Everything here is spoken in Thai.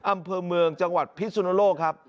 อำเภอเมืองจังหวัดพิสุนโลกครับ